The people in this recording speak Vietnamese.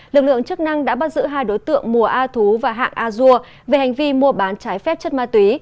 lực lượng chức năng đã bắt giữ hai đối tượng mùa a thú và hạng a dua về hành vi mua bán trái phép chất ma túy